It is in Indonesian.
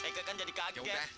eike kan jadi kaget